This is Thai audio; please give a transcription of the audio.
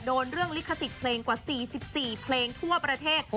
โดนเรื่องลิขสิทธิ์เพลงกว่า๔๔เพลงทั่วประเทศ